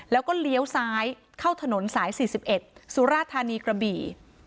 แล้วก็เลี้ยวซ้ายเข้าถนนสายสี่สิบเอ็ดสุราชธานีกระบี่